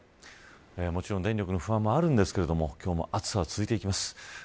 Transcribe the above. もちろん電力の不安はあるんですけれども今日も暑さは続いていきます。